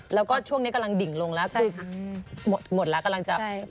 แล้วก็ช่วงนี้กำลังดิ่งลงแล้วคือหมดแล้วกำลังจะ